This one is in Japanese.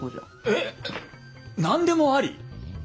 えっ！？何でもあり？